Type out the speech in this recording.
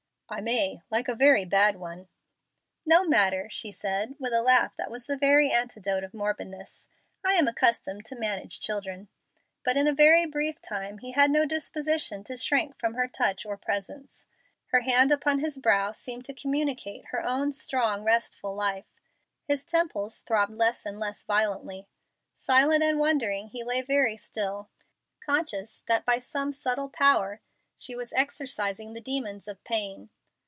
"I may, like a very bad one." "No matter," she said, with a laugh that was the very antidote of morbidness; "I am accustomed to manage children." But in a very brief time he had no disposition to shrink from her touch or presence. Her hand upon his brow seemed to communicate her own strong, restful life; his temples throbbed less and less violently. Silent and wondering he lay very still, conscious that by some subtle power she was exorcising the demons of pain.